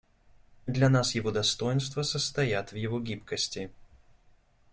Для нас его достоинства состоят в его гибкости.